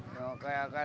karena apa lah tok